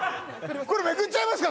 これめくっちゃいますか？